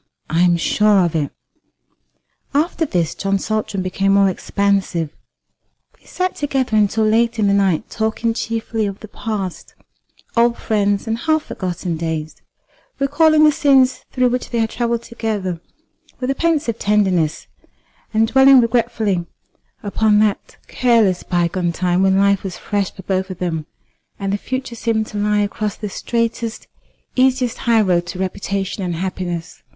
"I am sure of it." After this John Saltram became more expansive. They sat together until late in the night, talking chiefly of the past, old friends, and half forgotten days; recalling the scenes through which they had travelled together with a pensive tenderness, and dwelling regretfully upon that careless bygone time when life was fresh for both of them, and the future seemed to lie across the straightest, easiest high road to reputation and happiness.